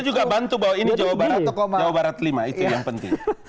dia juga bantu bahwa ini jawa barat lima itu yang penting